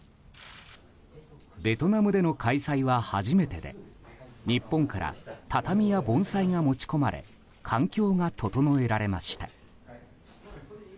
ベトナムでの開催は初めてで日本から畳や盆栽が持ち込まれ環境が整えられました。